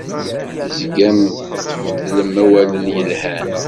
Tezgam tfettlem awalen yelhan.